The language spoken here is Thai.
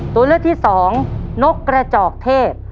ตัวเลือกที่สองนกกระจอกเทพ